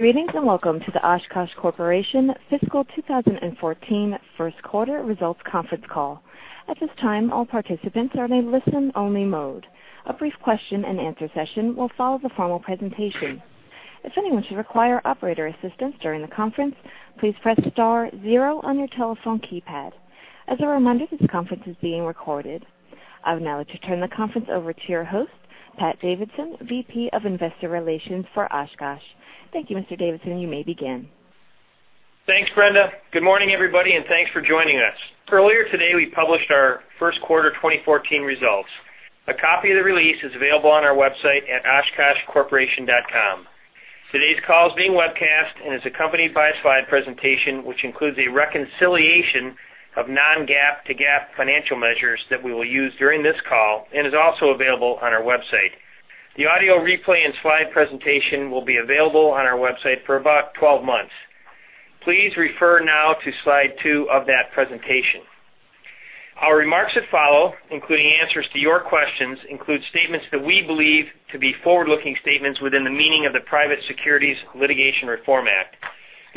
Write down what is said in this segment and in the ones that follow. Greetings and welcome to the Oshkosh Corporation fiscal 2014 first quarter results conference call. At this time, all participants are in a listen-only mode. A brief question-and-answer session will follow the formal presentation. If anyone should require operator assistance during the conference, please press star zero on your telephone keypad. As a reminder, this conference is being recorded. I will now turn the conference over to your host, Pat Davidson, VP of Investor Relations for Oshkosh. Thank you, Mr. Davidson. You may begin. Thanks, Brenda. Good morning, everybody, and thanks for joining us. Earlier today, we published our first quarter 2014 results. A copy of the release is available on our website at oshkoshcorporation.com. Today's call is being webcast and is accompanied by a slide presentation, which includes a reconciliation of non-GAAP to GAAP financial measures that we will use during this call and is also available on our website. The audio replay and slide presentation will be available on our website for about 12 months. Please refer now to slide two of that presentation. Our remarks that follow, including answers to your questions, include statements that we believe to be forward-looking statements within the meaning of the Private Securities Litigation Reform Act.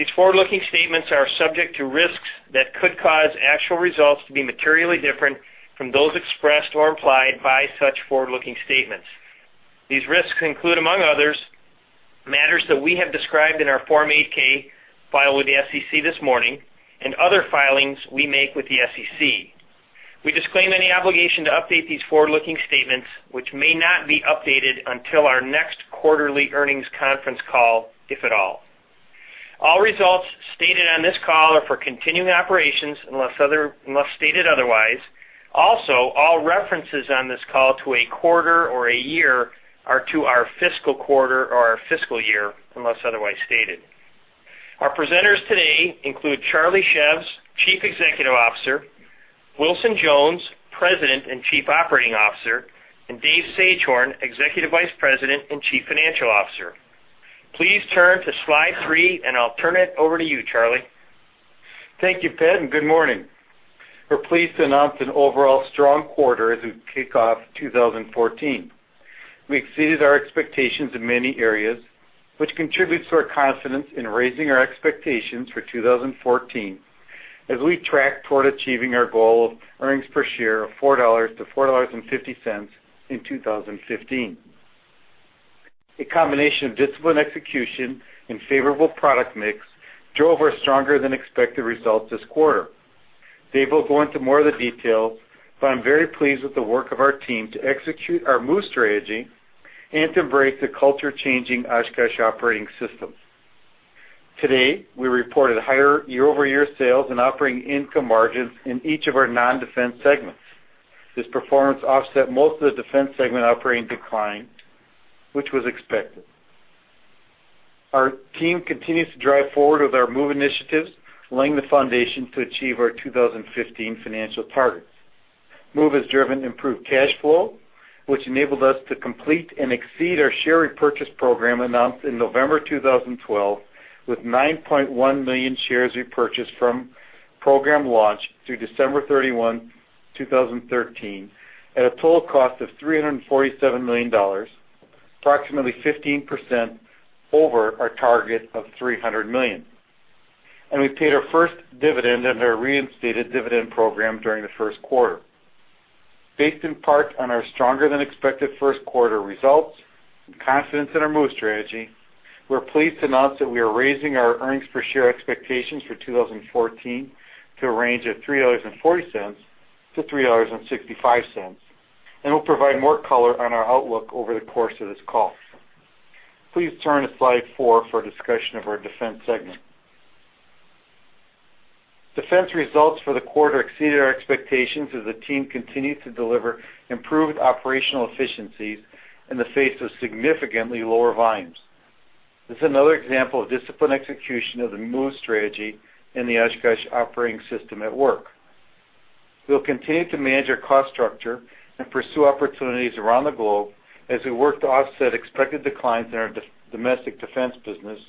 These forward-looking statements are subject to risks that could cause actual results to be materially different from those expressed or implied by such forward-looking statements. These risks include, among others, matters that we have described in our Form 8-K filed with the SEC this morning and other filings we make with the SEC. We disclaim any obligation to update these forward-looking statements, which may not be updated until our next quarterly earnings conference call, if at all. All results stated on this call are for continuing operations unless stated otherwise. Also, all references on this call to a quarter or a year are to our fiscal quarter or our fiscal year unless otherwise stated. Our presenters today include Charles Szews, Chief Executive Officer; Wilson Jones, President and Chief Operating Officer; and David Sagehorn, Executive Vice President and Chief Financial Officer. Please turn to slide three, and I'll turn it over to you, Charlie. Thank you, Pat, and good morning. We're pleased to announce an overall strong quarter as we kick off 2014. We exceeded our expectations in many areas, which contributes to our confidence in raising our expectations for 2014 as we track toward achieving our goal of earnings per share of $4-$4.50 in 2015. A combination of disciplined execution and favorable product mix drove our stronger-than-expected results this quarter. Dave will go into more of the details, but I'm very pleased with the work of our team to execute our MOVE strategy and to embrace a culture-changing Oshkosh Operating System. Today, we reported higher year-over-year sales and operating income margins in each of our non-defense segments. This performance offset most of the defense segment operating decline, which was expected. Our team continues to drive forward with our MOVE initiatives, laying the foundation to achieve our 2015 financial targets. MOVE has driven improved cash flow, which enabled us to complete and exceed our share repurchase program announced in November 2012, with 9.1 million shares repurchased from program launch through December 31, 2013, at a total cost of $347 million, approximately 15% over our target of $300 million. We paid our first dividend under our reinstated dividend program during the first quarter. Based in part on our stronger-than-expected first quarter results and confidence in our MOVE strategy, we're pleased to announce that we are raising our earnings per share expectations for 2014 to a range of $3.40-$3.65 and will provide more color on our outlook over the course of this call. Please turn to slide four for a discussion of our defense segment. Defense results for the quarter exceeded our expectations as the team continued to deliver improved operational efficiencies in the face of significantly lower volumes. This is another example of disciplined execution of the MOVE Strategy and the Oshkosh Operating System at work. We'll continue to manage our cost structure and pursue opportunities around the globe as we work to offset expected declines in our domestic defense business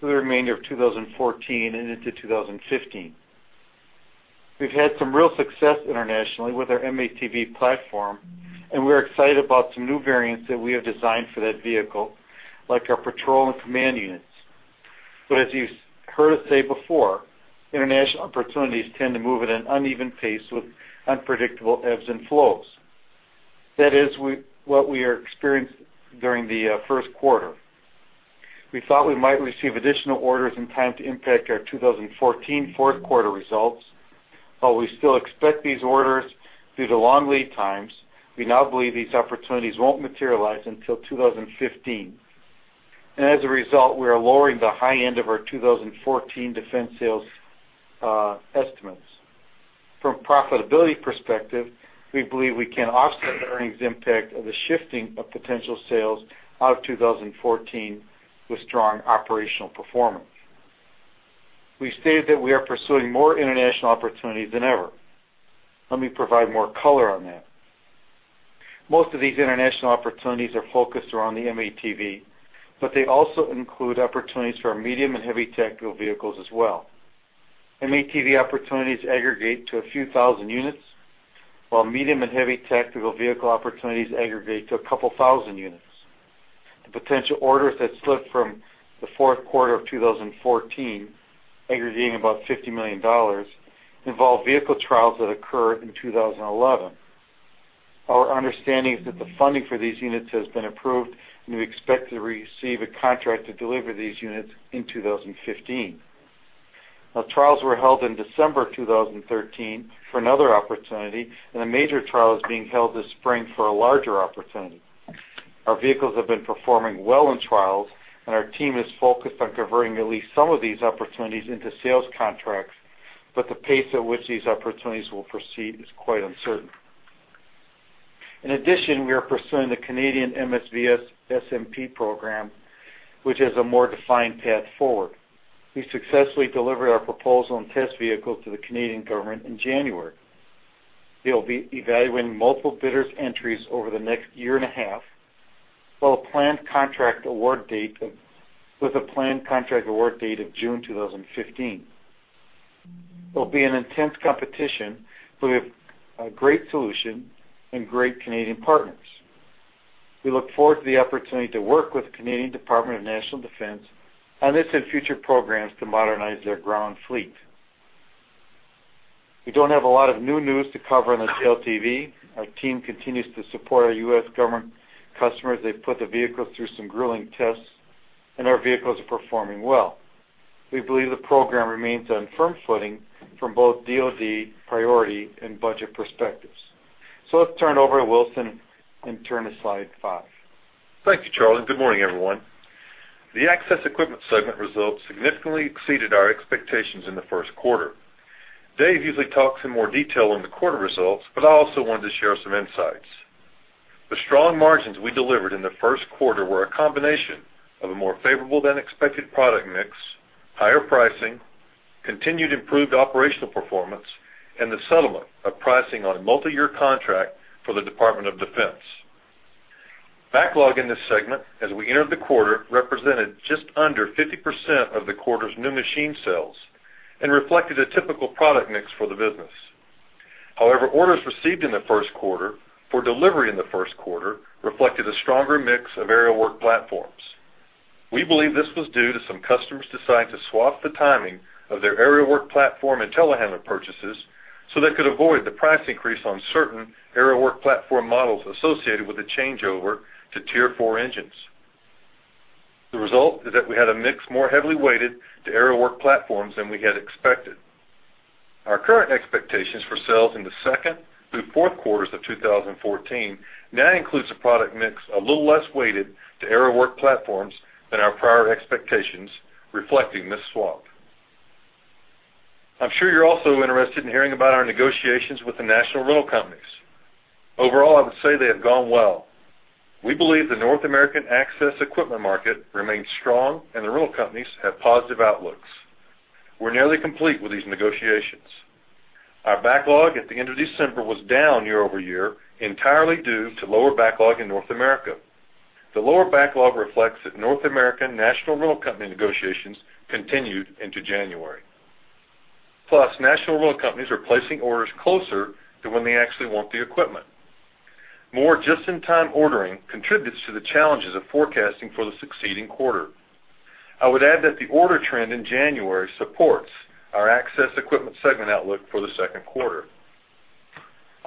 through the remainder of 2014 and into 2015. We've had some real success internationally with our M-ATV platform, and we're excited about some new variants that we have designed for that vehicle, like our patrol and command units. But as you've heard us say before, international opportunities tend to move at an uneven pace with unpredictable ebbs and flows. That is what we experienced during the first quarter. We thought we might receive additional orders in time to impact our 2014 fourth quarter results. While we still expect these orders due to long lead times, we now believe these opportunities won't materialize until 2015. As a result, we are lowering the high end of our 2014 defense sales estimates. From a profitability perspective, we believe we can offset the earnings impact of the shifting of potential sales out of 2014 with strong operational performance. We stated that we are pursuing more international opportunities than ever. Let me provide more color on that. Most of these international opportunities are focused around the M-ATV, but they also include opportunities for our medium and heavy tactical vehicles as well. M-ATV opportunities aggregate to a few thousand units, while medium and heavy tactical vehicle opportunities aggregate to a couple thousand units. The potential orders that slipped from the fourth quarter of 2014, aggregating about $50 million, involve vehicle trials that occurred in 2011. Our understanding is that the funding for these units has been approved, and we expect to receive a contract to deliver these units in 2015. Now, trials were held in December 2013 for another opportunity, and a major trial is being held this spring for a larger opportunity. Our vehicles have been performing well in trials, and our team is focused on converting at least some of these opportunities into sales contracts, but the pace at which these opportunities will proceed is quite uncertain. In addition, we are pursuing the Canadian MSVS SMP program, which is a more defined path forward. We successfully delivered our proposal and test vehicle to the Canadian government in January. They will be evaluating multiple bidders' entries over the next year and a half, with a planned contract award date of June 2015. It'll be an intense competition, but we have a great solution and great Canadian partners. We look forward to the opportunity to work with the Canadian Department of National Defence on this and future programs to modernize their ground fleet. We don't have a lot of new news to cover on the JLTV. Our team continues to support our U.S. government customers. They've put the vehicles through some grueling tests, and our vehicles are performing well. We believe the program remains on firm footing from both DoD priority and budget perspectives. Let's turn it over to Wilson and turn to slide five. Thank you, Charlie. Good morning, everyone. The Access Equipment segment results significantly exceeded our expectations in the first quarter. Dave usually talks in more detail on the quarter results, but I also wanted to share some insights. The strong margins we delivered in the first quarter were a combination of a more favorable-than-expected product mix, higher pricing, continued improved operational performance, and the settlement of pricing on a multi-year contract for the Department of Defense. Backlog in this segment, as we entered the quarter, represented just under 50% of the quarter's new machine sales and reflected a typical product mix for the business. However, orders received in the first quarter for delivery in the first quarter reflected a stronger mix of aerial work platforms. We believe this was due to some customers deciding to swap the timing of their aerial work platform and telehandler purchases so they could avoid the price increase on certain aerial work platform models associated with the changeover to Tier 4 engines. The result is that we had a mix more heavily weighted to aerial work platforms than we had expected. Our current expectations for sales in the second through fourth quarters of 2014 now include a product mix a little less weighted to aerial work platforms than our prior expectations, reflecting this swap. I'm sure you're also interested in hearing about our negotiations with the national rental companies. Overall, I would say they have gone well. We believe the North American Access Equipment market remains strong, and the rental companies have positive outlooks. We're nearly complete with these negotiations. Our backlog at the end of December was down year-over-year, entirely due to lower backlog in North America. The lower backlog reflects that North American national rental company negotiations continued into January. Plus, national rental companies are placing orders closer to when they actually want the equipment. More just-in-time ordering contributes to the challenges of forecasting for the succeeding quarter. I would add that the order trend in January supports our Access Equipment segment outlook for the second quarter.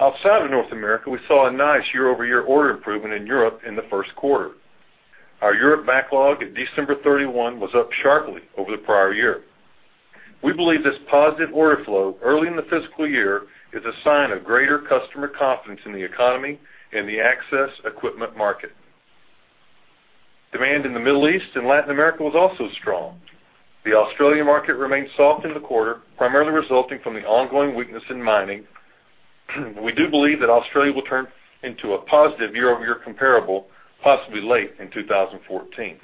Outside of North America, we saw a nice year-over-year order improvement in Europe in the first quarter. Our Europe backlog at December 31 was up sharply over the prior year. We believe this positive order flow early in the fiscal year is a sign of greater customer confidence in the economy and the Access Equipment market. Demand in the Middle East and Latin America was also strong. The Australian market remained soft in the quarter, primarily resulting from the ongoing weakness in mining. We do believe that Australia will turn into a positive year-over-year comparable, possibly late in 2014.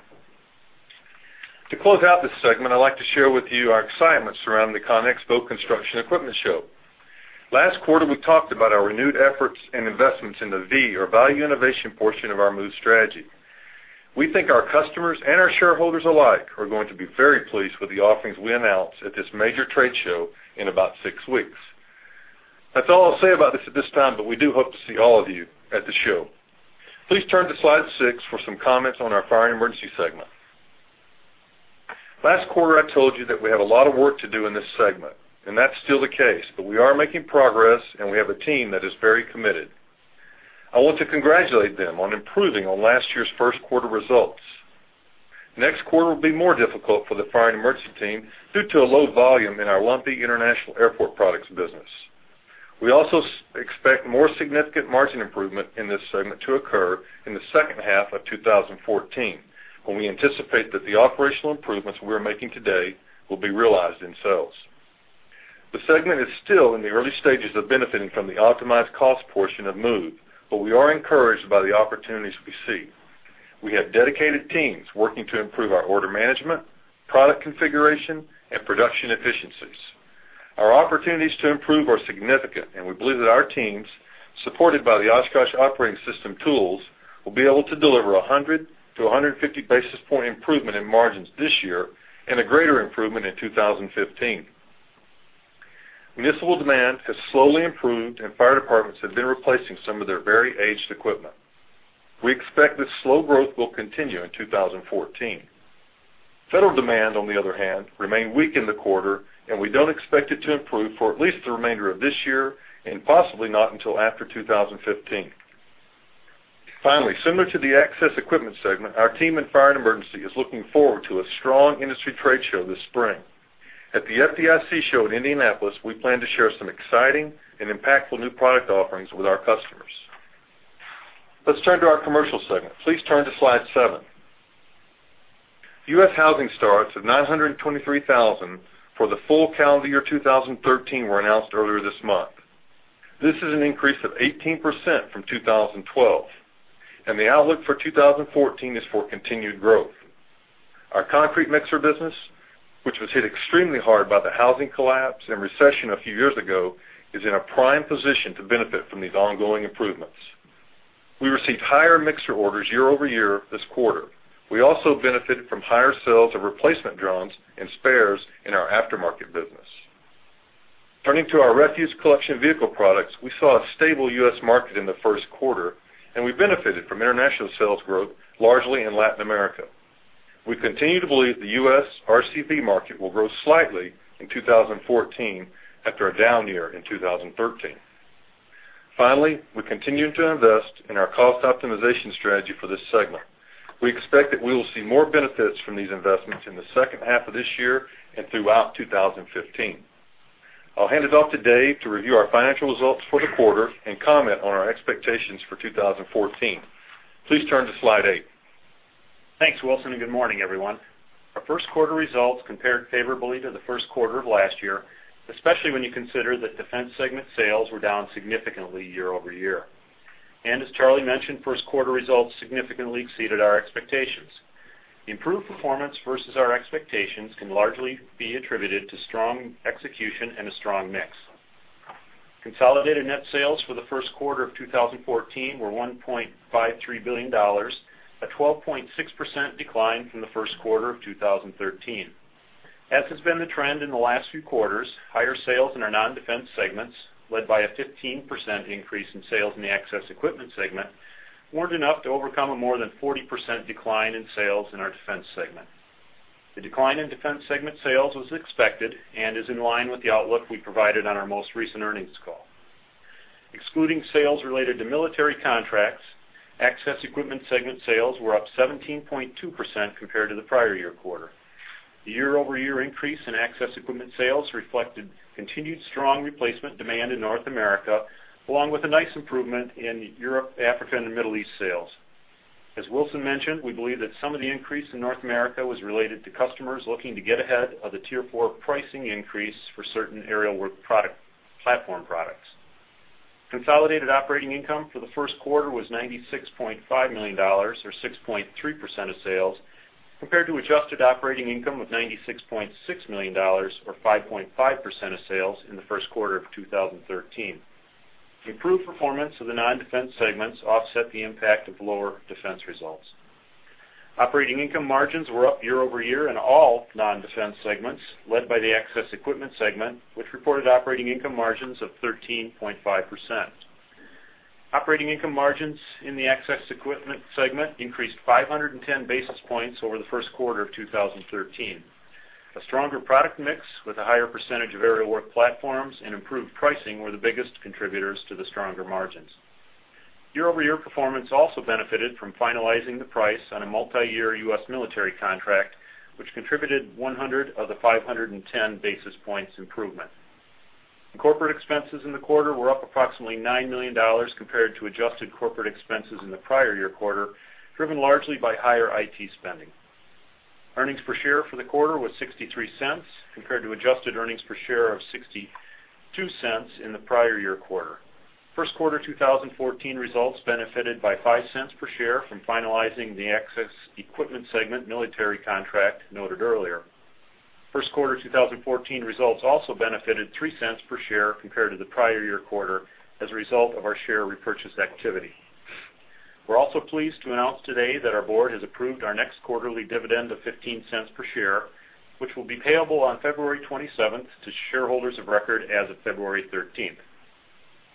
To close out this segment, I'd like to share with you our excitement surrounding the CONEXPO Construction Equipment Show. Last quarter, we talked about our renewed efforts and investments in the V, or value innovation portion of our MOVE strategy. We think our customers and our shareholders alike are going to be very pleased with the offerings we announce at this major trade show in about six weeks. That's all I'll say about this at this time, but we do hope to see all of you at the show. Please turn to slide six for some comments on our fire and emergency segment. Last quarter, I told you that we have a lot of work to do in this segment, and that's still the case, but we are making progress, and we have a team that is very committed. I want to congratulate them on improving on last year's first quarter results. Next quarter will be more difficult for the fire and emergency team due to a low volume in our lumpy international airport products business. We also expect more significant margin improvement in this segment to occur in the second half of 2014, when we anticipate that the operational improvements we are making today will be realized in sales. The segment is still in the early stages of benefiting from the optimized cost portion of MOVE, but we are encouraged by the opportunities we see. We have dedicated teams working to improve our order management, product configuration, and production efficiencies. Our opportunities to improve are significant, and we believe that our teams, supported by the Oshkosh Operating System tools, will be able to deliver 100-150 basis point improvement in margins this year and a greater improvement in 2015. Municipal demand has slowly improved, and fire departments have been replacing some of their very aged equipment. We expect this slow growth will continue in 2014. Federal demand, on the other hand, remained weak in the quarter, and we don't expect it to improve for at least the remainder of this year and possibly not until after 2015. Finally, similar to the Access Equipment segment, our team in fire and emergency is looking forward to a strong industry trade show this spring. At the FDIC show in Indianapolis, we plan to share some exciting and impactful new product offerings with our customers. Let's turn to our Commercial segment. Please turn to slide seven. U.S. housing starts at 923,000 for the full calendar year 2013 were announced earlier this month. This is an increase of 18% from 2012, and the outlook for 2014 is for continued growth. Our concrete mixer business, which was hit extremely hard by the housing collapse and recession a few years ago, is in a prime position to benefit from these ongoing improvements. We received higher mixer orders year-over-year this quarter. We also benefited from higher sales of replacement drums and spares in our aftermarket business. Turning to our refuse collection vehicle products, we saw a stable U.S. market in the first quarter, and we benefited from international sales growth, largely in Latin America. We continue to believe the U.S. RCV market will grow slightly in 2014 after a down year in 2013. Finally, we continue to invest in our cost optimization strategy for this segment. We expect that we will see more benefits from these investments in the second half of this year and throughout 2015. I'll hand it off to Dave to review our financial results for the quarter and comment on our expectations for 2014. Please turn to slide eight. Thanks, Wilson. Good morning, everyone. Our first quarter results compared favorably to the first quarter of last year, especially when you consider that defense segment sales were down significantly year-over-year. As Charlie mentioned, first quarter results significantly exceeded our expectations. Improved performance versus our expectations can largely be attributed to strong execution and a strong mix. Consolidated net sales for the first quarter of 2014 were $1.53 billion, a 12.6% decline from the first quarter of 2013. As has been the trend in the last few quarters, higher sales in our non-defense segments, led by a 15% increase in sales in the Access Equipment segment, weren't enough to overcome a more than 40% decline in sales in our defense segment. The decline in defense segment sales was expected and is in line with the outlook we provided on our most recent earnings call. Excluding sales related to military contracts, Access Equipment segment sales were up 17.2% compared to the prior year quarter. The year-over-year increase in Access Equipment sales reflected continued strong replacement demand in North America, along with a nice improvement in Europe, Africa, and Middle East sales. As Wilson mentioned, we believe that some of the increase in North America was related to customers looking to get ahead of the Tier 4 pricing increase for certain aerial work platform products. Consolidated operating income for the first quarter was $96.5 million, or 6.3% of sales, compared to adjusted operating income of $96.6 million, or 5.5% of sales, in the first quarter of 2013. Improved performance of the non-defense segments offset the impact of lower defense results. Operating income margins were up year-over-year in all non-defense segments, led by the Access Equipment segment, which reported operating income margins of 13.5%. Operating income margins in the Access Equipment segment increased 510 basis points over the first quarter of 2013. A stronger product mix with a higher percentage of aerial work platforms and improved pricing were the biggest contributors to the stronger margins. Year-over-year performance also benefited from finalizing the price on a multi-year U.S. military contract, which contributed 100 of the 510 basis points improvement. Corporate expenses in the quarter were up approximately $9 million compared to adjusted corporate expenses in the prior year quarter, driven largely by higher IT spending. Earnings per share for the quarter was $0.63 compared to adjusted earnings per share of $0.62 in the prior year quarter. First quarter 2014 results benefited by $0.05 per share from finalizing the Access Equipment segment military contract noted earlier. First quarter 2014 results also benefited $0.03 per share compared to the prior year quarter as a result of our share repurchase activity. We're also pleased to announce today that our board has approved our next quarterly dividend of $0.15 per share, which will be payable on February 27th to shareholders of record as of February 13th.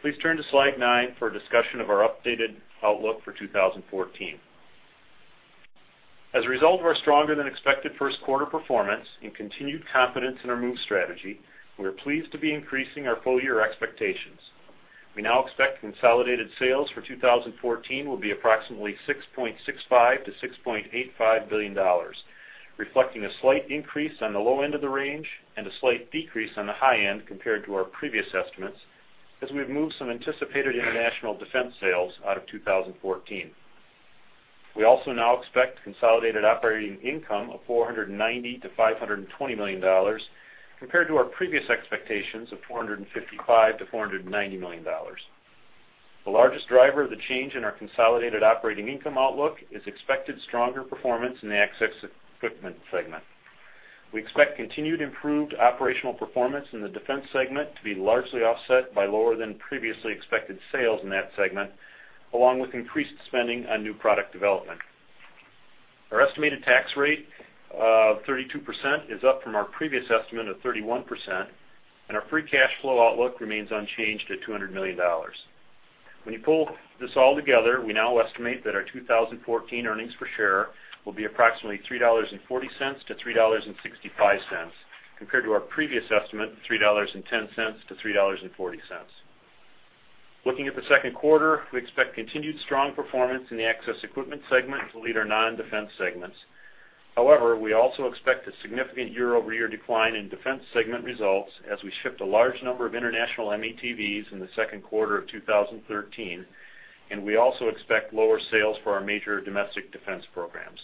Please turn to slide nine for a discussion of our updated outlook for 2014. As a result of our stronger-than-expected first quarter performance and continued confidence in our MOVE strategy, we are pleased to be increasing our full-year expectations. We now expect consolidated sales for 2014 will be approximately $6.65 billion-$6.85 billion, reflecting a slight increase on the low end of the range and a slight decrease on the high end compared to our previous estimates as we have moved some anticipated international defense sales out of 2014. We also now expect consolidated operating income of $490 million-$520 million compared to our previous expectations of $455 million-$490 million. The largest driver of the change in our consolidated operating income outlook is expected stronger performance in the Access Equipment segment. We expect continued improved operational performance in the defense segment to be largely offset by lower than previously expected sales in that segment, along with increased spending on new product development. Our estimated tax rate of 32% is up from our previous estimate of 31%, and our free cash flow outlook remains unchanged at $200 million. When you pull this all together, we now estimate that our 2014 earnings per share will be approximately $3.40-$3.65 compared to our previous estimate of $3.10-$3.40. Looking at the second quarter, we expect continued strong performance in the Access Equipment segment to lead our non-defense segments. However, we also expect a significant year-over-year decline in defense segment results as we shift a large number of international M-ATVs in the second quarter of 2013, and we also expect lower sales for our major domestic defense programs.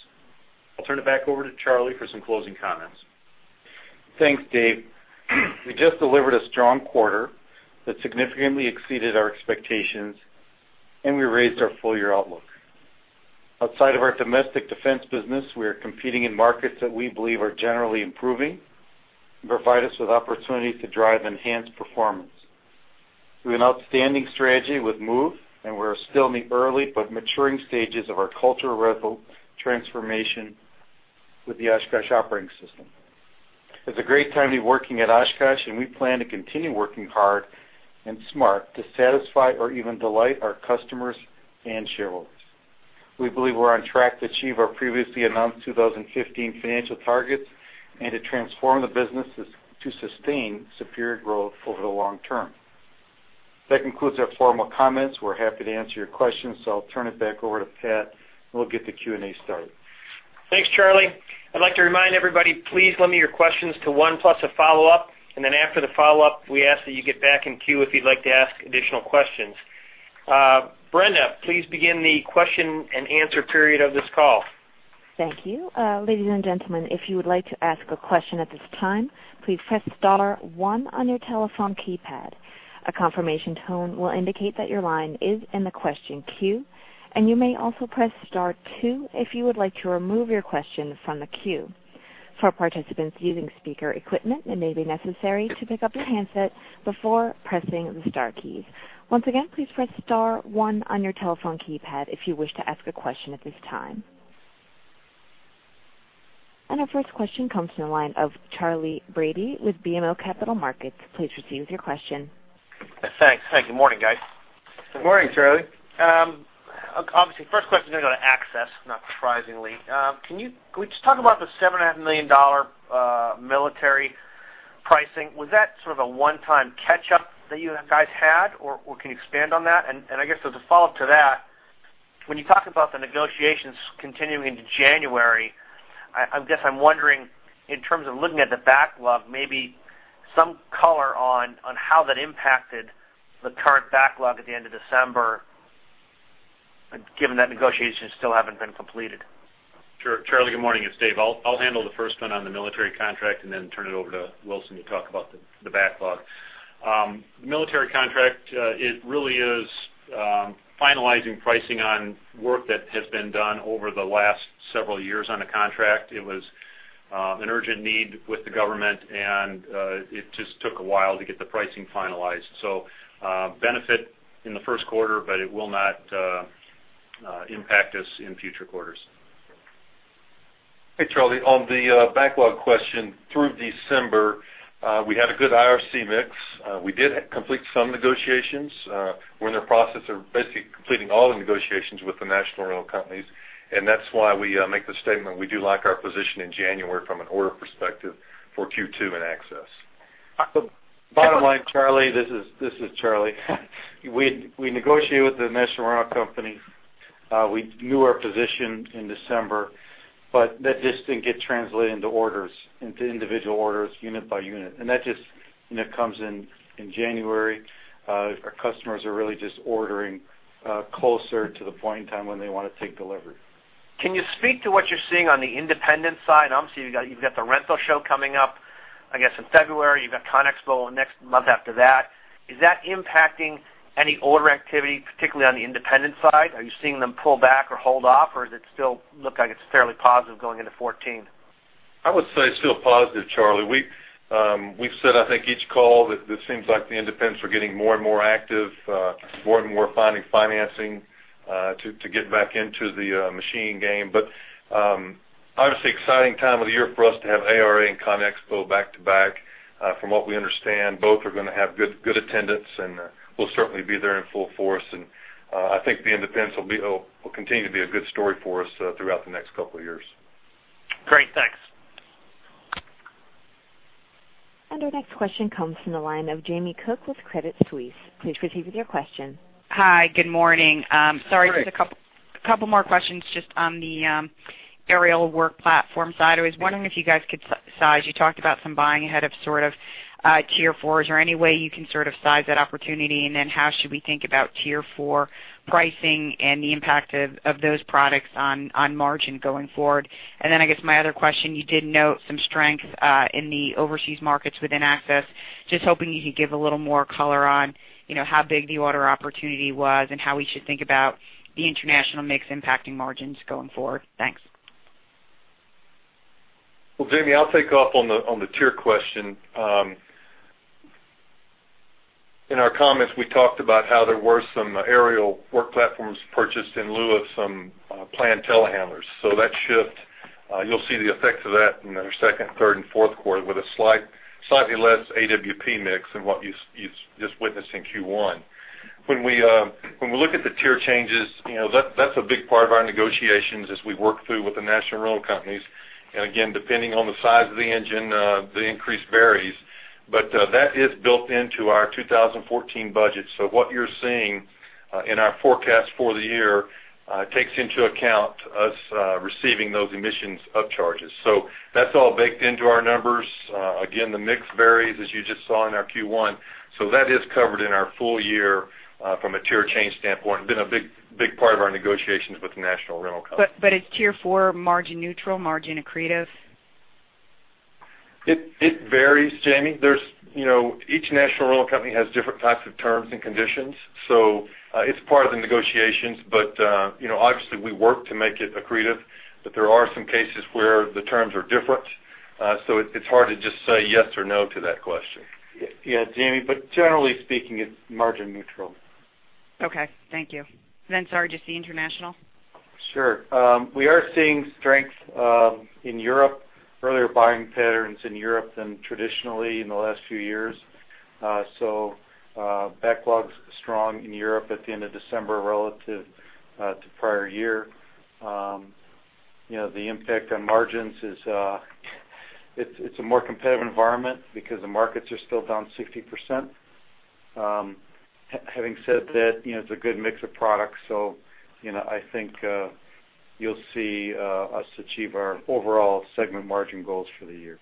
I'll turn it back over to Charlie for some closing comments. Thanks, Dave. We just delivered a strong quarter that significantly exceeded our expectations, and we raised our full-year outlook. Outside of our domestic defense business, we are competing in markets that we believe are generally improving and provide us with opportunities to drive enhanced performance. We have an outstanding strategy with MOVE, and we are still in the early but maturing stages of our cultural transformation with the Oshkosh Operating System. It's a great time to be working at Oshkosh, and we plan to continue working hard and smart to satisfy or even delight our customers and shareholders. We believe we're on track to achieve our previously announced 2015 financial targets and to transform the business to sustain superior growth over the long term. That concludes our formal comments. We're happy to answer your questions, so I'll turn it back over to Pat, and we'll get the Q&A started. Thanks, Charlie. I'd like to remind everybody, please limit your questions to one plus a follow-up, and then after the follow-up, we ask that you get back in queue if you'd like to ask additional questions. Brenda, please begin the question and answer period of this call. Thank you. Ladies and gentlemen, if you would like to ask a question at this time, please press star one on your telephone keypad. A confirmation tone will indicate that your line is in the question queue, and you may also press star two if you would like to remove your question from the queue. For participants using speaker equipment, it may be necessary to pick up your handset before pressing the star keys. Once again, please press star one on your telephone keypad if you wish to ask a question at this time. Our first question comes from the line of Charley Brady with BMO Capital Markets. Please proceed with your question. Thanks. Hi, good morning, guys. Good morning, Charley. Obviously, first question is going to go to access, not surprisingly. Can you just talk about the $7.5 million military pricing? Was that sort of a one-time catch-up that you guys had, or can you expand on that? And I guess as a follow-up to that, when you talk about the negotiations continuing into January, I guess I'm wondering, in terms of looking at the backlog, maybe some color on how that impacted the current backlog at the end of December, given that negotiations still haven't been completed? Sure. Charley, good morning. It's Dave. I'll handle the first one on the military contract and then turn it over to Wilson to talk about the backlog. Military contract, it really is finalizing pricing on work that has been done over the last several years on a contract. It was an urgent need with the government, and it just took a while to get the pricing finalized. So benefit in the first quarter, but it will not impact us in future quarters. Hey, Charley. On the backlog question, through December, we had a good IRC mix. We did complete some negotiations. We're in the process of basically completing all the negotiations with the national rental companies, and that's why we make the statement we do like our position in January from an order perspective for Q2 and access. Bottom line, Charley, this is Charlie. We negotiate with the national rental companies. We knew our position in December, but that just didn't get translated into orders, into individual orders, unit by unit. That just comes in January. Our customers are really just ordering closer to the point in time when they want to take delivery. Can you speak to what you're seeing on the independent side? Obviously, you've got the rental show coming up, I guess, in February. You've got ConExpo next month after that. Is that impacting any order activity, particularly on the independent side? Are you seeing them pull back or hold off, or does it still look like it's fairly positive going into 2014? I would say it's still positive, Charley. We've said, I think, each call that it seems like the independents are getting more and more active, more and more finding financing to get back into the machine game. But obviously, exciting time of the year for us to have ARA and CONEXPO back to back. From what we understand, both are going to have good attendance, and we'll certainly be there in full force. And I think the independents will continue to be a good story for us throughout the next couple of years. Great. Thanks. Our next question comes from the line of Jamie Cook with Credit Suisse. Please proceed with your question. Hi, good morning. Hi. Sorry, just a couple more questions just on the aerial work platform side. I was wondering if you guys could size—you talked about some buying ahead of sort of Tier 4s. Is there any way you can sort of size that opportunity, and then how should we think about Tier 4 pricing and the impact of those products on margin going forward? And then I guess my other question, you did note some strength in the overseas markets within access. Just hoping you could give a little more color on how big the order opportunity was and how we should think about the international mix impacting margins going forward. Thanks. Well, Jamie, I'll take off on the Tier question. In our comments, we talked about how there were some aerial work platforms purchased in lieu of some planned telehandlers. So that shift, you'll see the effects of that in the second, third, and fourth quarter with a slightly less AWP mix than what you just witnessed in Q1. When we look at the Tier changes, that's a big part of our negotiations as we work through with the national rental companies. And again, depending on the size of the engine, the increase varies. But that is built into our 2014 budget. So what you're seeing in our forecast for the year takes into account us receiving those emissions up charges. So that's all baked into our numbers. Again, the mix varies, as you just saw in our Q1. That is covered in our full year from a Tier change standpoint. It's been a big part of our negotiations with the national rental companies. Is Tier 4 margin neutral, margin accretive? It varies, Jamie. Each national rental company has different types of terms and conditions. It's part of the negotiations, but obviously, we work to make it accretive. There are some cases where the terms are different. It's hard to just say yes or no to that question. Yeah, Jamie, but generally speaking, it's margin neutral. Okay. Thank you. Then, sorry, just the international? Sure. We are seeing strength in Europe, earlier buying patterns in Europe than traditionally in the last few years. So backlogs are strong in Europe at the end of December relative to prior year. The impact on margins, it's a more competitive environment because the markets are still down 60%. Having said that, it's a good mix of products. So I think you'll see us achieve our overall segment margin goals for the year.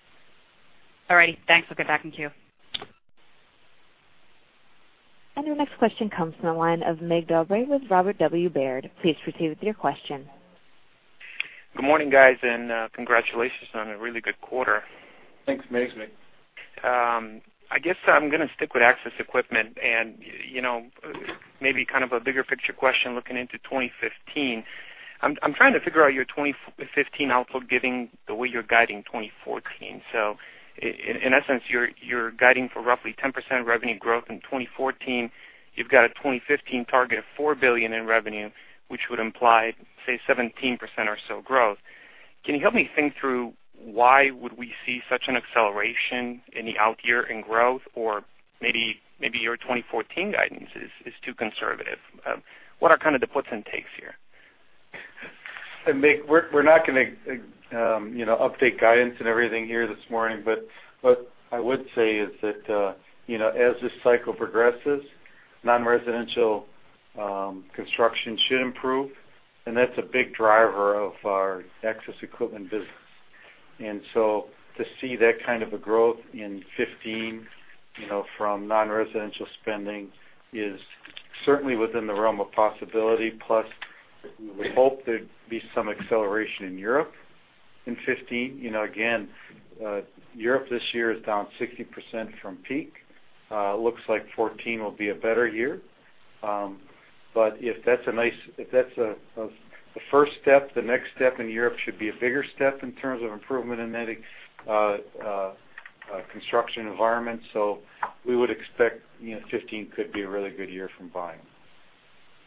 All righty. Thanks. I'll get back in queue. Our next question comes from the line of Mig Dobre with Robert W. Baird. Please proceed with your question. Good morning, guys, and congratulations on a really good quarter. Thanks, Mig. I guess I'm going to stick with Access Equipment and maybe kind of a bigger picture question looking into 2015. I'm trying to figure out your 2015 outlook given the way you're guiding 2014. So in essence, you're guiding for roughly 10% revenue growth. In 2014, you've got a 2015 target of $4 billion in revenue, which would imply, say, 17% or so growth. Can you help me think through why would we see such an acceleration in the out year in growth, or maybe your 2014 guidance is too conservative? What are kind of the puts and takes here? And Mig, we're not going to update guidance and everything here this morning, but what I would say is that as this cycle progresses, non-residential construction should improve, and that's a big driver of our Access Equipment business. And so to see that kind of a growth in 2015 from non-residential spending is certainly within the realm of possibility. Plus, we hope there'd be some acceleration in Europe in 2015. Again, Europe this year is down 60% from peak. Looks like 2014 will be a better year. But if that's the first step, the next step in Europe should be a bigger step in terms of improvement in that construction environment. So we would expect 2015 could be a really good year from buying.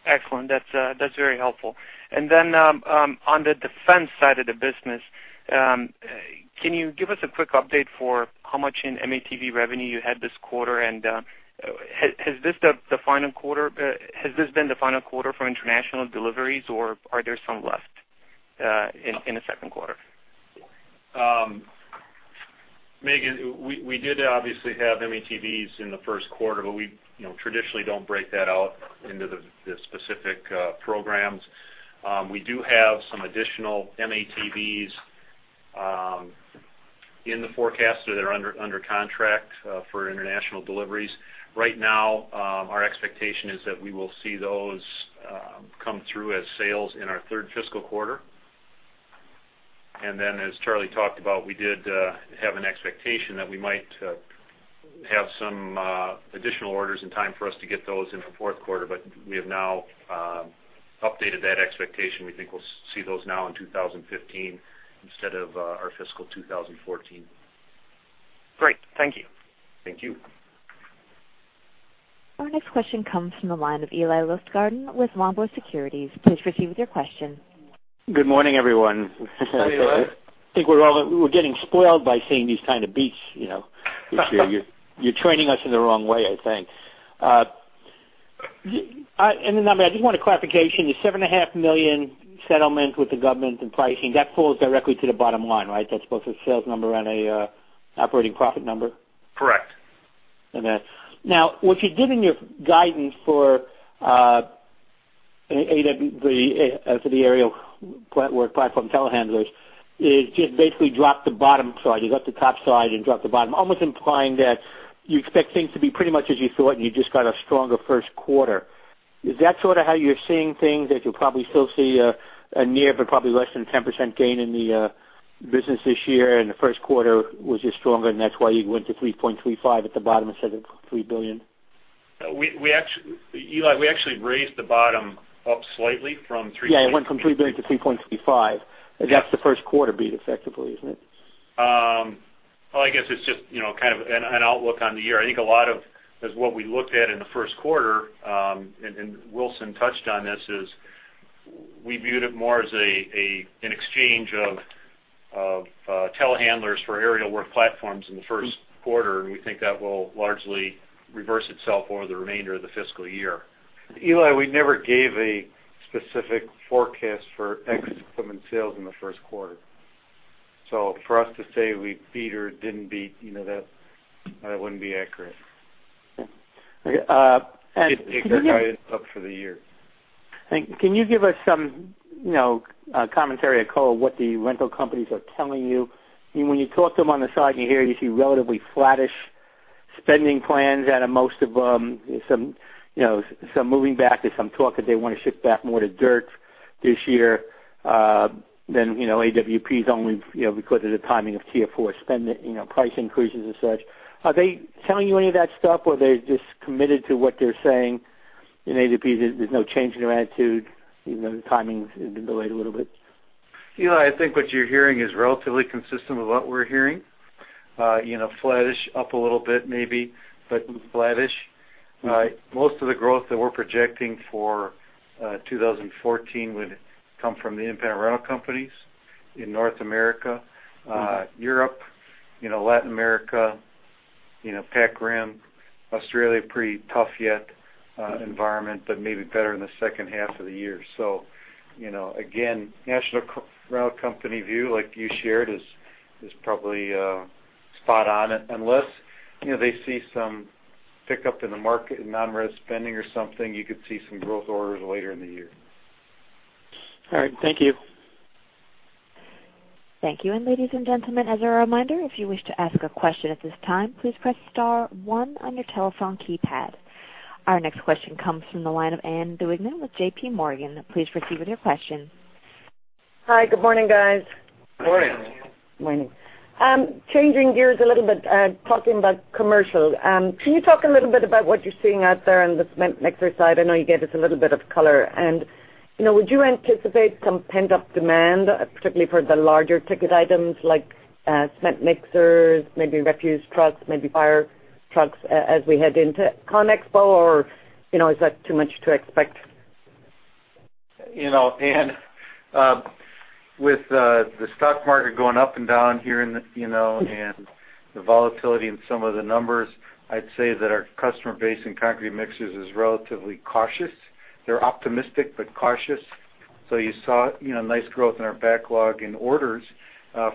Excellent. That's very helpful. And then on the defense side of the business, can you give us a quick update for how much in M-ATV revenue you had this quarter? And has this been the final quarter for international deliveries, or are there some left in the second quarter? Mig, we did obviously have M-ATVs in the first quarter, but we traditionally don't break that out into the specific programs. We do have some additional M-ATVs in the forecast that are under contract for international deliveries. Right now, our expectation is that we will see those come through as sales in our third fiscal quarter. And then, as Charlie talked about, we did have an expectation that we might have some additional orders in time for us to get those in the fourth quarter, but we have now updated that expectation. We think we'll see those now in 2015 instead of our fiscal 2014. Great. Thank you. Thank you. Our next question comes from the line of Eli Lustgarten with Longbow Securities. Please proceed with your question. Good morning, everyone. Hi, Eli. I think we're getting spoiled by seeing these kind of beats. Yes, sir. You're training us in the wrong way, I think. I just want a clarification. The $7.5 million settlement with the government and pricing, that falls directly to the bottom line, right? That's both a sales number and an operating profit number? Correct. Okay. Now, what you did in your guidance for the aerial work platform telehandlers is just basically drop the bottom side. You got the top side and drop the bottom, almost implying that you expect things to be pretty much as you thought, and you just got a stronger first quarter. Is that sort of how you're seeing things? That you'll probably still see a near but probably less than 10% gain in the business this year, and the first quarter was just stronger, and that's why you went to $3.35 billion at the bottom instead of $3 billion? We actually raised the bottom up slightly from $3.35. Yeah, it went from $3 billion to $3.35 billion. That's the first quarter beat, effectively, isn't it? Well, I guess it's just kind of an outlook on the year. I think a lot of what we looked at in the first quarter, and Wilson touched on this, is we viewed it more as an exchange of telehandlers for aerial work platforms in the first quarter, and we think that will largely reverse itself over the remainder of the fiscal year. Eli, we never gave a specific forecast for Access Equipment sales in the first quarter. So for us to say we beat or didn't beat, that wouldn't be accurate. And. Exactly. Exactly. Guidance up for the year. Can you give us some commentary on what the rental companies are telling you? When you talk to them on the side, you hear you see relatively flattish spending plans at a most of some moving back to some talk that they want to shift back more to dirt this year. Then AWPs only recorded the timing of Tier 4 price increases and such. Are they telling you any of that stuff, or they're just committed to what they're saying? And AWPs, there's no change in their attitude, even though the timing's been delayed a little bit? Eli, I think what you're hearing is relatively consistent with what we're hearing. Flattish up a little bit, maybe, but flattish. Most of the growth that we're projecting for 2014 would come from the independent rental companies in North America, Europe, Latin America, Pacific Rim, Australia, pretty tough year environment, but maybe better in the second half of the year. So again, national rental company view, like you shared, is probably spot on. Unless they see some pickup in the market in non-res spending or something, you could see some growth orders later in the year. All right. Thank you. Thank you. Ladies and gentlemen, as a reminder, if you wish to ask a question at this time, please press star one on your telephone keypad. Our next question comes from the line of Ann Duignan with JPMorgan. Please proceed with your question. Hi. Good morning, guys. Good morning. Morning. Changing gears a little bit, talking about Commercial. Can you talk a little bit about what you're seeing out there on the cement mixer side? I know you gave us a little bit of color. Would you anticipate some pent-up demand, particularly for the larger ticket items like cement mixers, maybe refuse trucks, maybe fire trucks as we head into CONEXPO, or is that too much to expect? Ann, with the stock market going up and down here and the volatility in some of the numbers, I'd say that our customer base in concrete mixers is relatively cautious. They're optimistic but cautious. You saw nice growth in our backlog in orders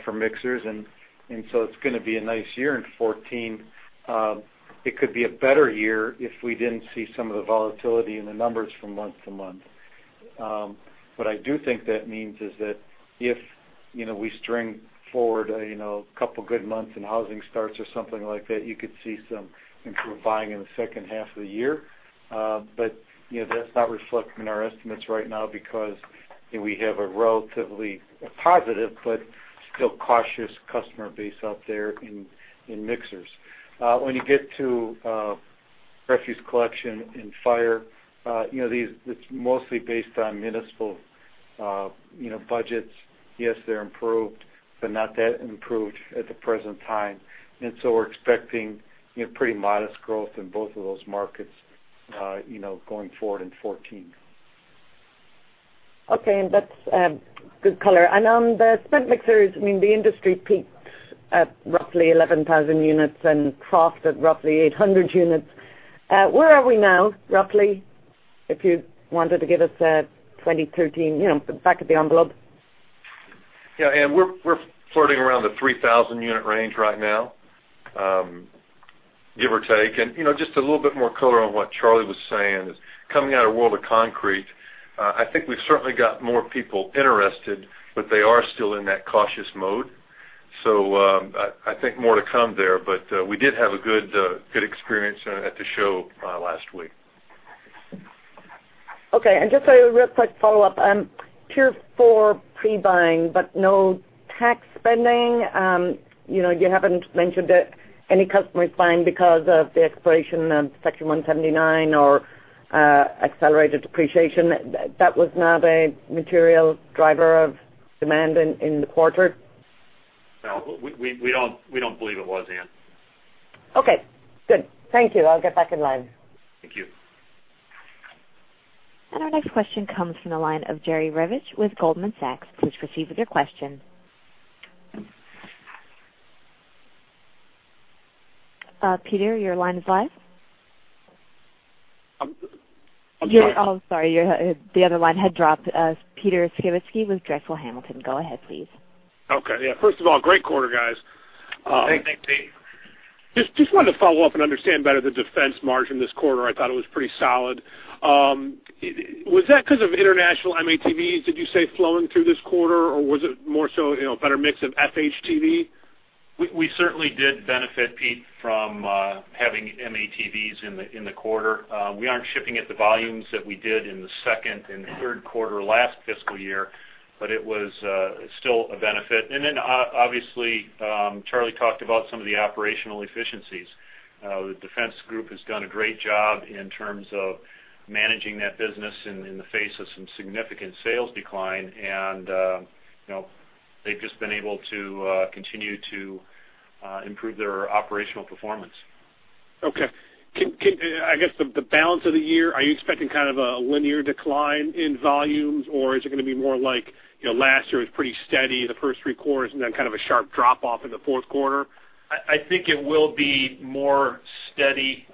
for mixers. So it's going to be a nice year in 2014. It could be a better year if we didn't see some of the volatility in the numbers from month to month. What I do think that means is that if we string forward a couple of good months and housing starts or something like that, you could see some improved buying in the second half of the year. But that's not reflecting in our estimates right now because we have a relatively positive but still cautious customer base out there in mixers. When you get to refuse collection and fire, it's mostly based on municipal budgets. Yes, they're improved, but not that improved at the present time. And so we're expecting pretty modest growth in both of those markets going forward in 2014. Okay. That's good color. On the cement mixers, I mean, the industry peaked at roughly 11,000 units and crossed at roughly 800 units. Where are we now, roughly? If you wanted to give us a 2013 back-of-the-envelope. Yeah. We're sitting around the 3,000-unit range right now, give or take. Just a little bit more color on what Charlie was saying is coming out of World of Concrete. I think we've certainly got more people interested, but they are still in that cautious mode. I think more to come there, but we did have a good experience at the show last week. Okay. And just a real quick follow-up. Tier 4 pre-buying, but no tax spending. You haven't mentioned that any customers buying because of the expiration of Section 179 or accelerated depreciation. That was not a material driver of demand in the quarter? No, we don't believe it was, Ann. Okay. Good. Thank you. I'll get back in line. Thank you. Our next question comes from the line of Jerry Revich with Goldman Sachs. Please proceed with your question. Peter, your line is live. I'm sorry. Oh, sorry. The other line had dropped. Peter Skibitski with Drexel Hamilton. Go ahead, please. Okay. Yeah. First of all, great quarter, guys. Thanks, Pete. Just wanted to follow up and understand better the defense margin this quarter. I thought it was pretty solid. Was that because of international M-ATVs, did you say, flowing through this quarter, or was it more so a better mix of FHTV? We certainly did benefit, Pete, from having M-ATVs in the quarter. We aren't shipping at the volumes that we did in the second and third quarter last fiscal year, but it was still a benefit. And then, obviously, Charlie talked about some of the operational efficiencies. The defense group has done a great job in terms of managing that business in the face of some significant sales decline, and they've just been able to continue to improve their operational performance. Okay. I guess the balance of the year, are you expecting kind of a linear decline in volumes, or is it going to be more like last year was pretty steady, the first three quarters, and then kind of a sharp drop-off in the fourth quarter? I think it will be more steady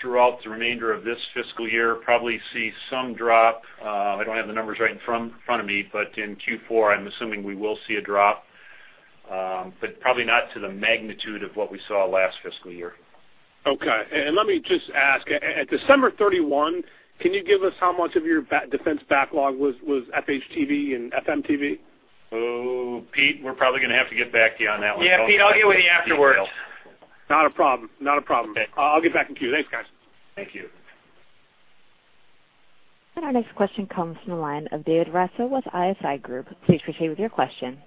throughout the remainder of this fiscal year. Probably see some drop. I don't have the numbers right in front of me, but in Q4, I'm assuming we will see a drop, but probably not to the magnitude of what we saw last fiscal year. Okay. And let me just ask, at December 31, can you give us how much of your defense backlog was FHTV and FMTV? Oh, Pete, we're probably going to have to get back to you on that one. Yeah, Pete, I'll get with you afterwards. Not a problem. Not a problem. Okay. I'll get back to you. Thanks, guys. Thank you. Our next question comes from the line of David Raso with ISI Group. Please proceed with your question.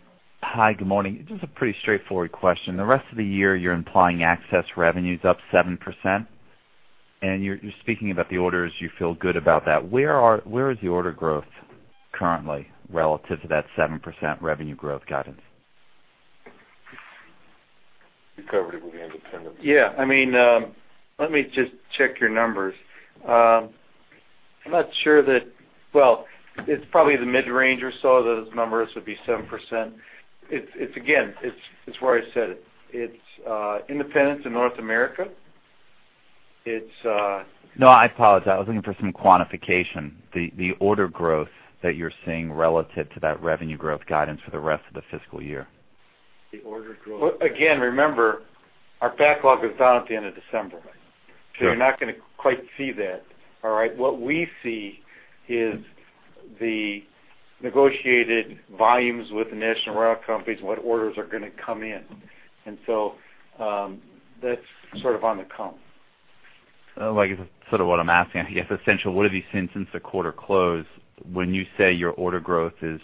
Hi, good morning. This is a pretty straightforward question. The rest of the year, you're implying access revenues up 7%, and you're speaking about the orders. You feel good about that. Where is the order growth currently relative to that 7% revenue growth guidance? You covered it with the independent. Yeah. I mean, let me just check your numbers. I'm not sure that, well, it's probably the mid-range or so that those numbers would be 7%. Again, it's where I said it. It's independent to North America. It's. No, I apologize. I was looking for some quantification. The order growth that you're seeing relative to that revenue growth guidance for the rest of the fiscal year. The order growth. Well, again, remember, our backlog is down at the end of December. So you're not going to quite see that, all right? What we see is the negotiated volumes with the national rental companies, what orders are going to come in. And so that's sort of on the come. Well, I guess that's sort of what I'm asking. I guess, essentially, what have you seen since the quarter close when you say your order growth is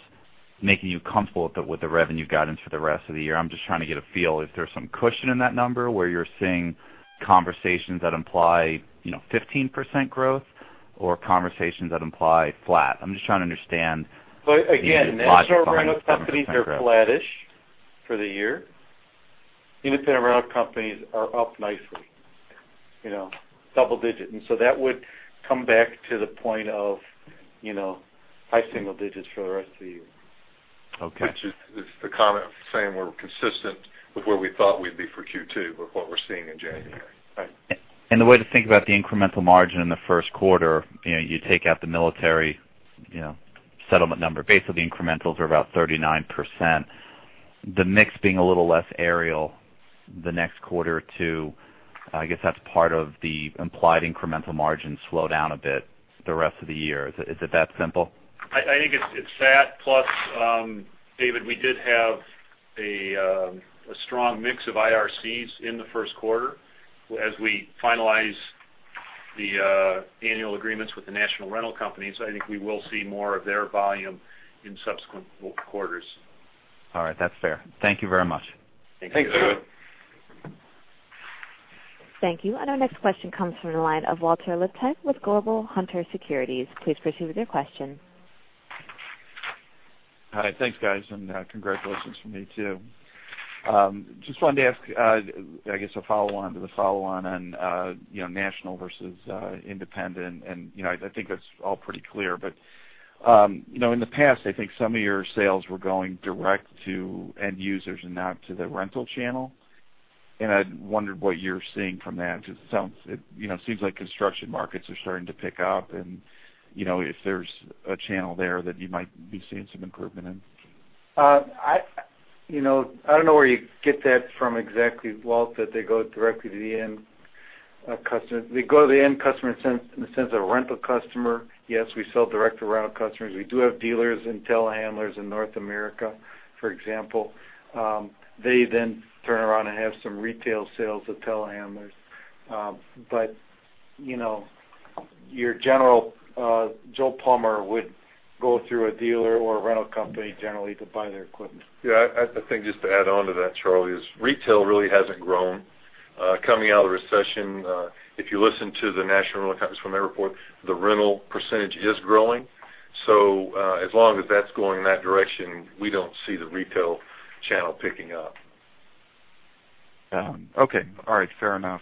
making you comfortable with the revenue guidance for the rest of the year? I'm just trying to get a feel. Is there some cushion in that number where you're seeing conversations that imply 15% growth or conversations that imply flat? I'm just trying to understand. Well, again, national rental companies are flattish for the year. Independent rental companies are up nicely, double-digit. And so that would come back to the point of high single digits for the rest of the year. Okay. Which is the comment of saying we're consistent with where we thought we'd be for Q2 with what we're seeing in January. The way to think about the incremental margin in the first quarter, you take out the military settlement number. Basically, the incrementals are about 39%. The mix being a little less aerial the next quarter or two, I guess that's part of the implied incremental margin slow down a bit the rest of the year. Is it that simple? I think it's that. Plus, David, we did have a strong mix of IRCs in the first quarter. As we finalize the annual agreements with the national rental companies, I think we will see more of their volume in subsequent quarters. All right. That's fair. Thank you very much. Thanks, David. Thanks, David. Thank you. Our next question comes from the line of Walter Liptak with Global Hunter Securities. Please proceed with your question. Hi. Thanks, guys. Congratulations from me too. Just wanted to ask, I guess, a follow-on to the follow-on on national versus independent. I think that's all pretty clear. But in the past, I think some of your sales were going direct to end users and not to the rental channel. I wondered what you're seeing from that because it seems like construction markets are starting to pick up. If there's a channel there, that you might be seeing some improvement in. I don't know where you get that from exactly, Walt, that they go directly to the end customers. They go to the end customer in the sense of rental customer. Yes, we sell direct to rental customers. We do have dealers and telehandlers in North America, for example. They then turn around and have some retail sales of telehandlers. But your general Joe Plumber would go through a dealer or a rental company generally to buy their equipment. Yeah. I think just to add on to that, Charlie, is retail really hasn't grown. Coming out of the recession, if you listen to the national rental companies from their report, the rental percentage is growing. So as long as that's going in that direction, we don't see the retail channel picking up. Okay. All right. Fair enough.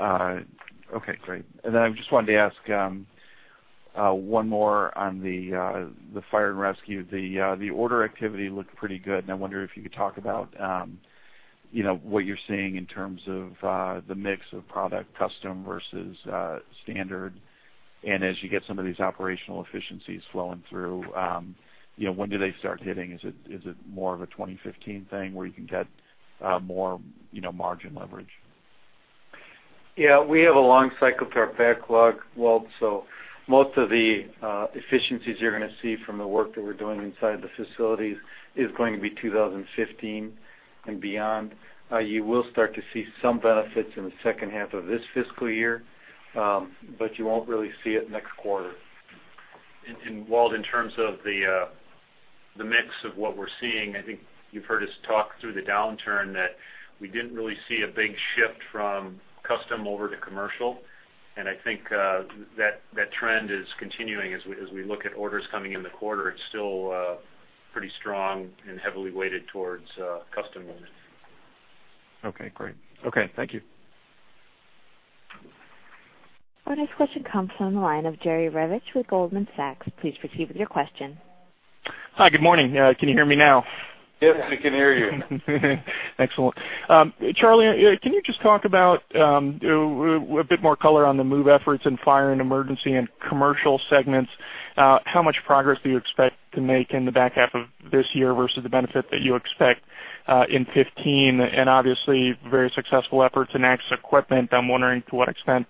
Okay. Great. And then I just wanted to ask one more on the fire and rescue. The order activity looked pretty good. And I wonder if you could talk about what you're seeing in terms of the mix of product, custom versus standard. And as you get some of these operational efficiencies flowing through, when do they start hitting? Is it more of a 2015 thing where you can get more margin leverage? Yeah. We have a long cycle to our backlog, Walt. So most of the efficiencies you're going to see from the work that we're doing inside the facilities is going to be 2015 and beyond. You will start to see some benefits in the second half of this fiscal year, but you won't really see it next quarter. And Walt, in terms of the mix of what we're seeing, I think you've heard us talk through the downturn that we didn't really see a big shift from custom over to Commercial. And I think that trend is continuing as we look at orders coming in the quarter. It's still pretty strong and heavily weighted towards custom units. Okay. Great. Okay. Thank you. Our next question comes from the line of Jerry Revich with Goldman Sachs. Please proceed with your question. Hi. Good morning. Can you hear me now? Yes, we can hear you. Excellent. Charlie, can you just talk about a bit more color on the MOVE efforts in fire and emergency and commercial segments? How much progress do you expect to make in the back half of this year versus the benefit that you expect in 2015? And obviously, very successful efforts in Access Equipment. I'm wondering to what extent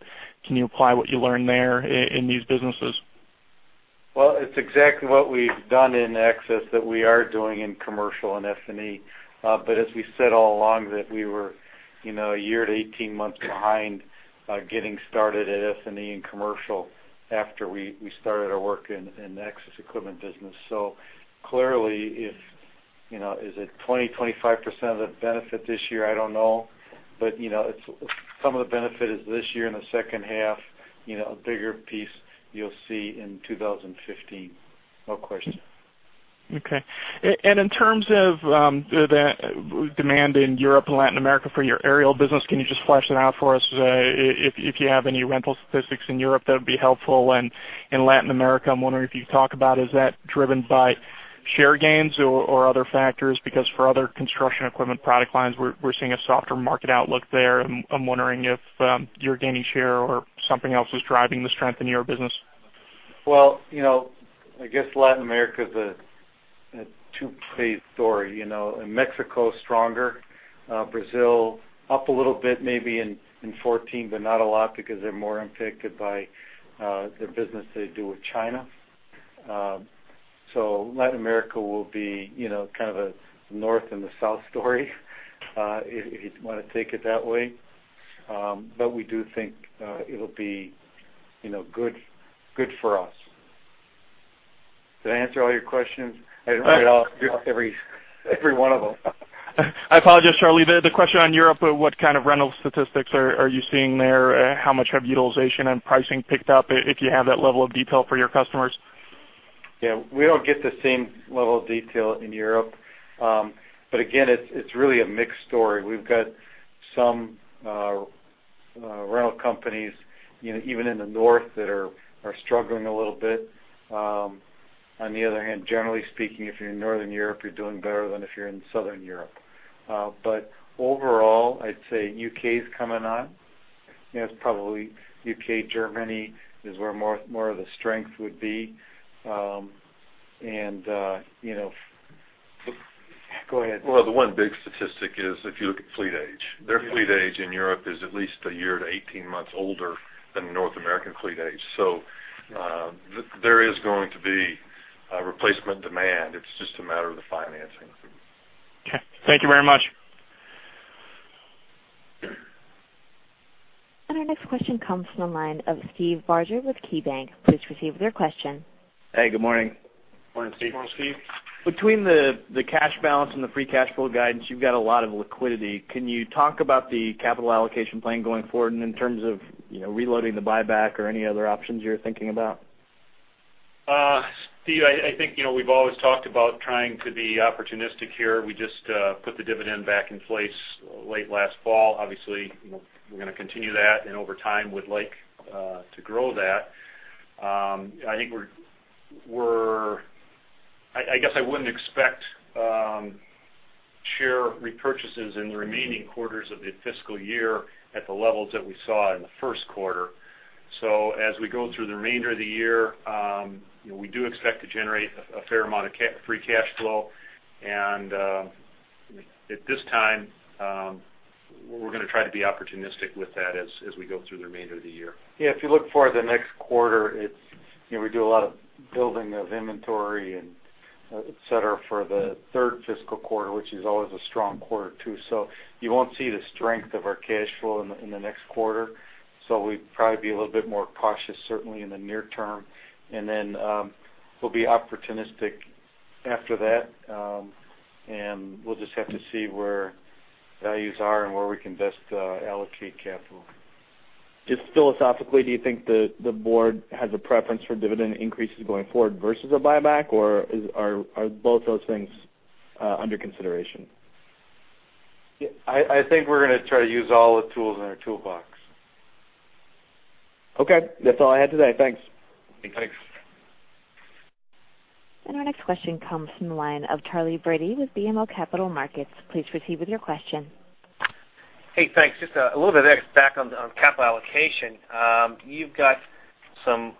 can you apply what you learned there in these businesses? Well, it's exactly what we've done in access that we are doing in Commercial and F&E. But as we said all along that we were a year to 18 months behind getting started at F&E and Commercial after we started our work in the Access Equipment business. So clearly, is it 20%-25% of the benefit this year? I don't know. But some of the benefit is this year in the second half. A bigger piece you'll see in 2015. No question. Okay. In terms of the demand in Europe and Latin America for your aerial business, can you just flesh that out for us? If you have any rental statistics in Europe, that would be helpful. In Latin America, I'm wondering if you could talk about is that driven by share gains or other factors? Because for other construction equipment product lines, we're seeing a softer market outlook there. I'm wondering if you're gaining share or something else is driving the strength in your business. Well, I guess Latin America is a two-page story. In Mexico, stronger. Brazil up a little bit maybe in 2014, but not a lot because they're more impacted by the business they do with China. So Latin America will be kind of a north and the south story, if you want to take it that way. But we do think it'll be good for us. Did I answer all your questions? I didn't get every one of them. I apologize, Charlie. The question on Europe, what kind of rental statistics are you seeing there? How much have utilization and pricing picked up if you have that level of detail for your customers? Yeah. We don't get the same level of detail in Europe. But again, it's really a mixed story. We've got some rental companies, even in the north, that are struggling a little bit. On the other hand, generally speaking, if you're in northern Europe, you're doing better than if you're in southern Europe. But overall, I'd say U.K. is coming on. That's probably U.K. Germany is where more of the strength would be. And go ahead. Well, the one big statistic is if you look at fleet age. Their fleet age in Europe is at least one year to 18 months older than the North American fleet age. So there is going to be replacement demand. It's just a matter of the financing. Okay. Thank you very much. Our next question comes from the line of Steve Barger with KeyBanc. Please proceed with your question. Hey. Good morning. Morning, Steve. Morning, Steve. Between the cash balance and the free cash flow guidance, you've got a lot of liquidity. Can you talk about the capital allocation plan going forward in terms of reloading the buyback or any other options you're thinking about? Steve, I think we've always talked about trying to be opportunistic here. We just put the dividend back in place late last fall. Obviously, we're going to continue that, and over time, we'd like to grow that. I guess I wouldn't expect share repurchases in the remaining quarters of the fiscal year at the levels that we saw in the first quarter. So as we go through the remainder of the year, we do expect to generate a fair amount of free cash flow. And at this time, we're going to try to be opportunistic with that as we go through the remainder of the year. Yeah. If you look for the next quarter, we do a lot of building of inventory, etc., for the third fiscal quarter, which is always a strong quarter too. So you won't see the strength of our cash flow in the next quarter. So we'd probably be a little bit more cautious, certainly in the near term. And then we'll be opportunistic after that. And we'll just have to see where values are and where we can best allocate capital. Just philosophically, do you think the board has a preference for dividend increases going forward versus a buyback, or are both those things under consideration? I think we're going to try to use all the tools in our toolbox. Okay. That's all I had today. Thanks. Thanks. Our next question comes from the line of Charley Brady with BMO Capital Markets. Please proceed with your question. Hey. Thanks. Just a little bit back on capital allocation. You've got some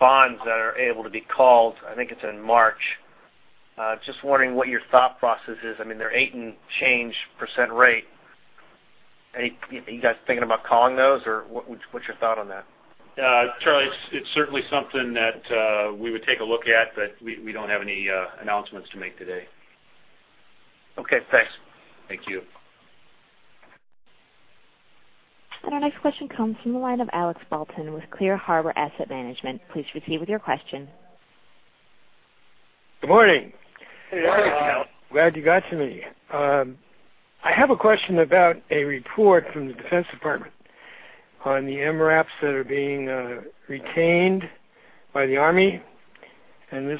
bonds that are able to be called. I think it's in March. Just wondering what your thought process is. I mean, they're 8- and-change percent rate. Are you guys thinking about calling those, or what's your thought on that? Charlie, it's certainly something that we would take a look at, but we don't have any announcements to make today. Okay. Thanks. Thank you. Our next question comes from the line of Alex Blanton with Clear Harbor Asset Management. Please proceed with your question. Good morning. Good morning, Alex. Glad you got to me. I have a question about a report from the U.S. Department of Defense on the MRAPs that are being retained by the U.S. Army. This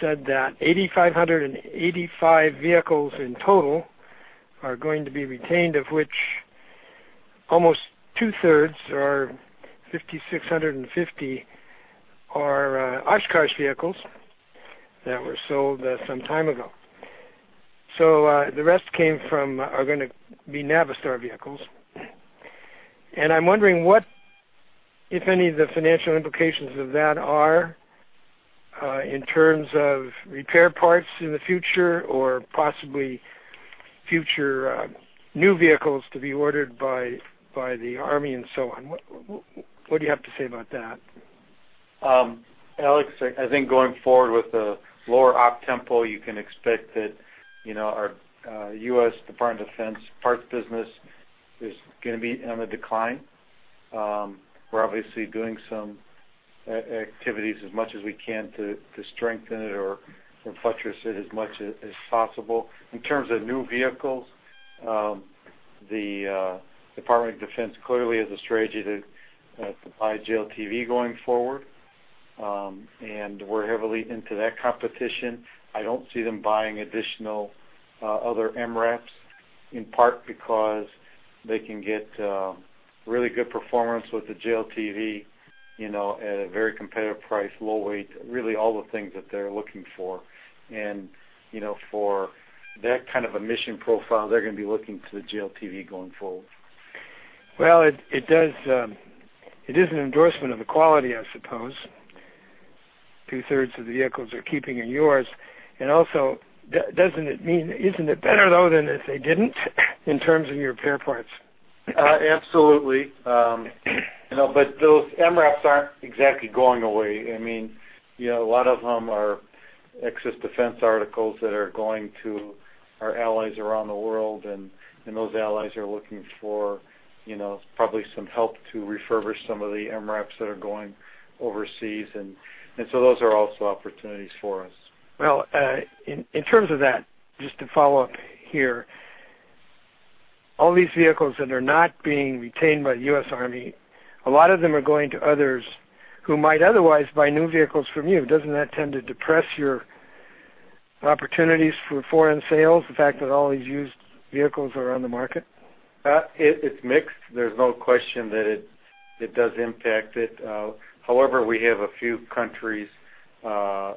said that 8,585 vehicles in total are going to be retained, of which almost two-thirds, or 5,650, are Oshkosh vehicles that were sold some time ago. The rest are going to be Navistar vehicles. I'm wondering what, if any, the financial implications of that are in terms of repair parts in the future or possibly future new vehicles to be ordered by the U.S. Army and so on. What do you have to say about that? Alex, I think going forward with the lower OPTEMPO, you can expect that our U.S. Department of Defense parts business is going to be on the decline. We're obviously doing some activities as much as we can to strengthen it or buttress it as much as possible. In terms of new vehicles, the Department of Defense clearly has a strategy to buy JLTV going forward. And we're heavily into that competition. I don't see them buying additional other MRAPs in part because they can get really good performance with the JLTV at a very competitive price, low weight, really all the things that they're looking for. And for that kind of a mission profile, they're going to be looking to the JLTV going forward. Well, it is an endorsement of the quality, I suppose. Two-thirds of the vehicles are keeping in yours. And also, isn't it better, though, than if they didn't in terms of your repair parts? Absolutely. But those MRAPs aren't exactly going away. I mean, a lot of them are excess defense articles that are going to our allies around the world. And those allies are looking for probably some help to refurbish some of the MRAPs that are going overseas. And so those are also opportunities for us. Well, in terms of that, just to follow up here, all these vehicles that are not being retained by the U.S. Army, a lot of them are going to others who might otherwise buy new vehicles from you. Doesn't that tend to depress your opportunities for foreign sales, the fact that all these used vehicles are on the market? It's mixed. There's no question that it does impact it. However, we have a few countries that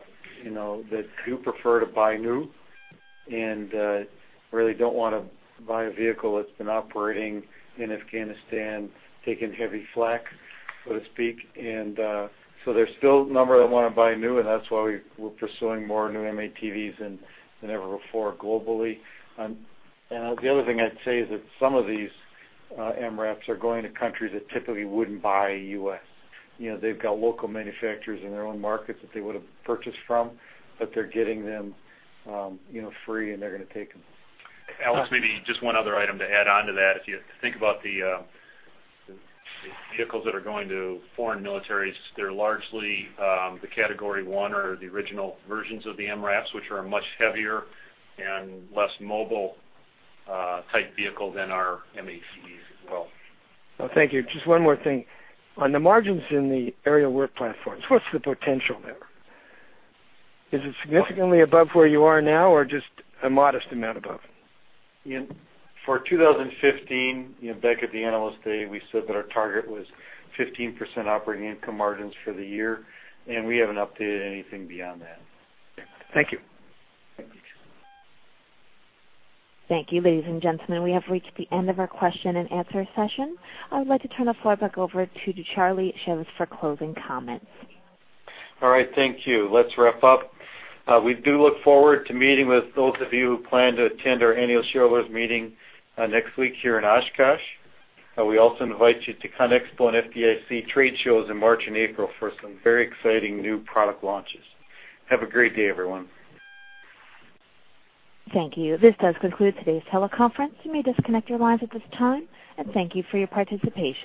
do prefer to buy new and really don't want to buy a vehicle that's been operating in Afghanistan, taking heavy flak, so to speak. And so there's still a number that want to buy new. And that's why we're pursuing more new M-ATVs than ever before globally. And the other thing I'd say is that some of these MRAPs are going to countries that typically wouldn't buy U.S. They've got local manufacturers in their own markets that they would have purchased from, but they're getting them free, and they're going to take them. Alex, maybe just one other item to add on to that. If you think about the vehicles that are going to foreign militaries, they're largely the Category I or the original versions of the MRAPs, which are a much heavier and less mobile type vehicle than our M-ATVs as well. Well, thank you. Just one more thing. On the margins in the aerial work platforms, what's the potential there? Is it significantly above where you are now or just a modest amount above? For 2015, back at the analyst day, we said that our target was 15% operating income margins for the year. We haven't updated anything beyond that. Thank you. Thank you. Thank you, ladies and gentlemen. We have reached the end of our question and answer session. I would like to turn the floor back over to Charlie Szews for closing comments. All right. Thank you. Let's wrap up. We do look forward to meeting with those of you who plan to attend our annual shareholders meeting next week here in Oshkosh. We also invite you to CONEXPO and FDIC trade shows in March and April for some very exciting new product launches. Have a great day, everyone. Thank you. This does conclude today's teleconference. You may disconnect your lines at this time. Thank you for your participation.